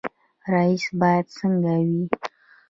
رئیس باید څنګه وي؟